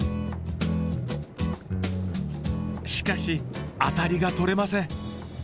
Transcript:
しかしアタリが取れません。